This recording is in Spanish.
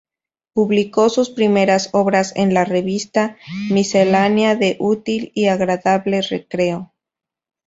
Publicó sus primeras obras en la revista "Miscelánea, de útil y agradable recreo".